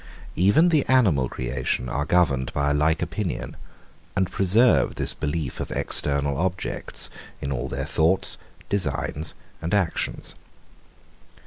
Even the animal creation are governed by a like opinion, and preserve this belief of external objects, in all their thoughts, designs, and actions.